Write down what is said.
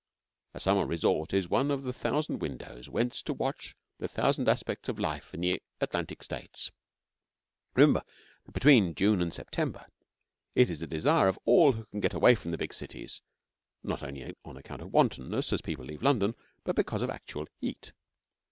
A summer resort is one of the thousand windows whence to watch the thousand aspects of life in the Atlantic States. Remember that between June and September it is the desire of all who can to get away from the big cities not on account of wantonness, as people leave London but because of actual heat.